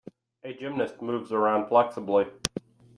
A gymnast moves around flexibly.